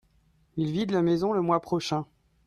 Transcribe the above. Ils vident la maison le mois prochain.